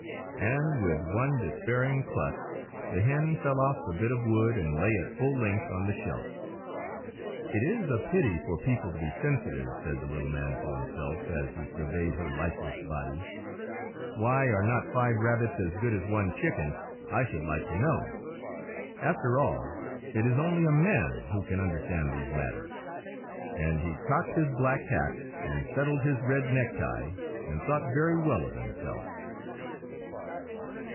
And with one despairing cluck, the hen fell off the bit of wood and lay at full length on the shelf. "It is a pity for people to be sensitive," said the little man to himself, as he surveyed her lifeless body. "Why are not five rabbits as good as one chicken, I should like to know? After all, it is only a man who can understand these matters." And he cocked his black hat, and settled his red necktie, and thought very well of himself.